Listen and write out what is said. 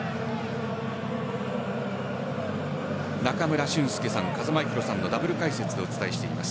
中村俊輔さん、風間八宏さんのダブル解説でお伝えしています。